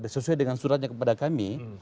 sesuai dengan suratnya kepada kami